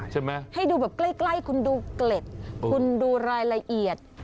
ใช่ไหมให้ดูแบบใกล้ใกล้คุณดูเกร็ดคุณดูรายละเอียด